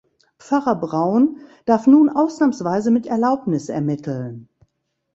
Pfarrer Braun darf nun ausnahmsweise mit Erlaubnis ermitteln.